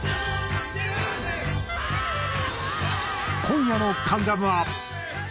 今夜の『関ジャム』は。